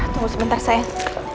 tunggu sebentar sayang